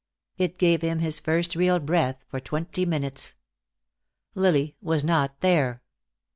It gave him his first real breath for twenty minutes. Lily was not there.